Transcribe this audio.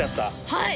はい。